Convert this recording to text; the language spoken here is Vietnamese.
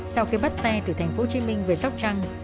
sau khi bắt xe từ tp hcm về sóc trăng